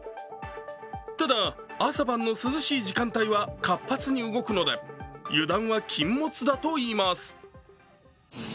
ただ、朝晩の涼しい時間帯は活発に動くので油断は禁物だといいます。